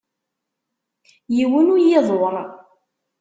Yiwen ur iyi-iḍurr.